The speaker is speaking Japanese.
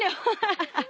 ハハハッ。